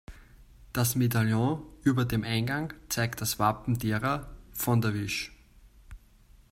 Das Medaillon über dem Eingang zeigt das Wappen derer "von der Wisch".